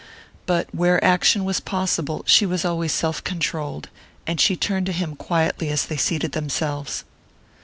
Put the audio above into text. But where action was possible she was always self controlled, and she turned to him quietly as they seated themselves.